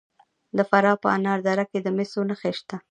د فراه په انار دره کې د مسو نښې شته.